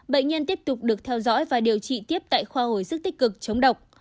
bệnh nhân tiếp tục được theo dõi và điều trị tiếp tại khoa hồi sức tích cực chống độc